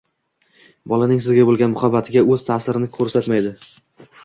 bolaning sizga bo‘lgan muhabbatiga o‘z ta’sirini qo‘rsatmaydi.